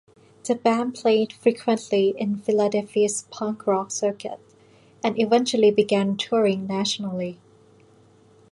The band played frequently in Philadelphia's punk rock circuit, and eventually began touring nationally.